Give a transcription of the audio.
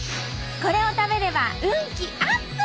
これを食べれば運気アップ！